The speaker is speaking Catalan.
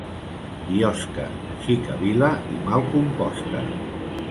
Biosca, xica vila i mal composta.